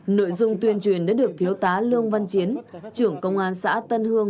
nội dung tuyên truyền đã được thiếu tá lương văn chiến trưởng công an xã tân hương